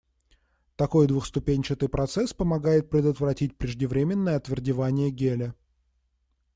Такой двухступенчатый процесс помогает предотвратить преждевременное отвердевание геля.